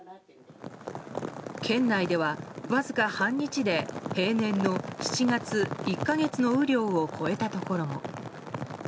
県内では、わずか半日で平年の７月１か月の雨量を超えたところも。